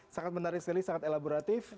sangat menarik sekali sangat elaboratif